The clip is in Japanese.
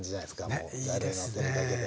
もうざるにのってるだけで。